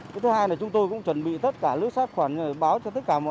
cái thứ hai là chúng tôi cũng chuẩn bị tất cả lưới sát khoản báo cho tất cả mọi người